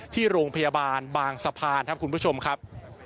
ที่โรงพยาบาลบางสะพานครับคุณผู้ชมครับ